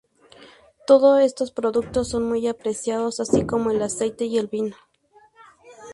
Todos estos productos son muy apreciados, así como el aceite y el vino.